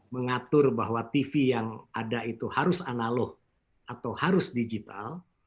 mengatur bahwa tv yang ada itu harus analog atau harus digital